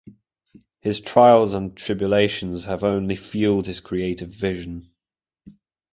His trials and tribulations have only fueled his creative vision.